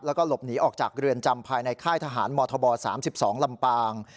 แล้วก็หลบหนีออกจากเรือนจำภายในค่ายทหารมธบ๓๒ลำปาง